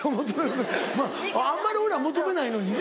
あんまり俺ら求めないのにね。